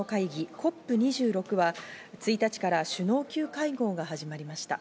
ＣＯＰ２６は１日から首脳級会合が始まりました。